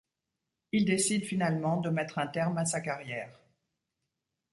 Il décide finalement de mettre un terme à sa carrière.